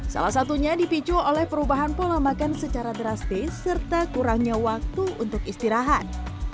salah satunya dipicu oleh perubahan pola makan secara drastis serta kurangnya waktu untuk istirahat